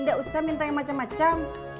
tidak usah minta yang macam macam